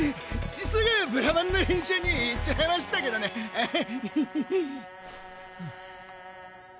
すぐブラバンの練習に行っちゃいましたけどねアハ。